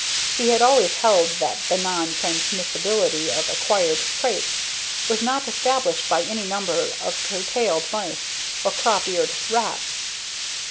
He had always held that the "non transmissability of acquired traits" was not established by any number of curtailed mice or crop eared rats.